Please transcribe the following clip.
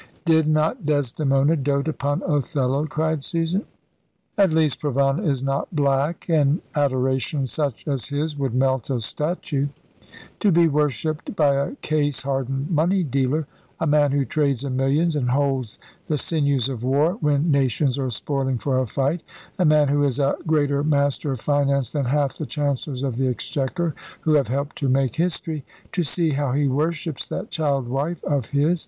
"Did not Desdemona dote upon Othello?" cried Susan. "At least Provana is not black, and adoration such as his would melt a statue. To be worshipped by a case hardened money dealer, a man who trades in millions, and holds the sinews of war when nations are spoiling for a fight, a man who is a greater master of finance than half the Chancellors of the Exchequer who have helped to make history! To see how he worships that child wife of his!